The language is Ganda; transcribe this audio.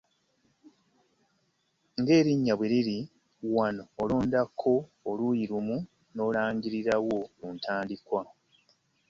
Ng’erinnya bwe liri, wano olondako oluuyi lumu n’olulagirawo ku ntandikwa.